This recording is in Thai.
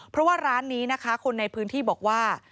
เพราะว่าร้านนี้นะคะคนในพื้นที่บอกว่า